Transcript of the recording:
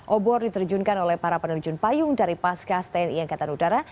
obor diterjunkan oleh para penerjun payung dari paskas tni angkatan udara